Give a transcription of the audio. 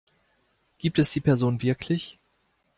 Gibt es die Person wirklich?